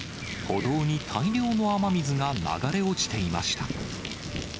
歩道に大量の雨水が流れ落ちていました。